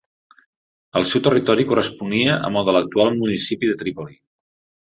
El seu territori corresponia amb el de l'actual municipi de Trípoli.